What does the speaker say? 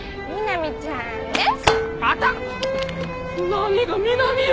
何が南よ。